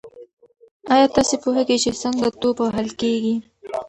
ایا تاسي پوهېږئ چې څنګه توپ وهل کیږي؟